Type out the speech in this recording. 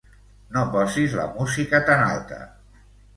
No posis la música tan alta.